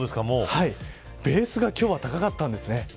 ベースが今日は高かったんですね。